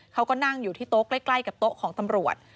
เขาก็นั่งอยู่ที่โต๊ะใกล้กับโต๊ะของตำรวจ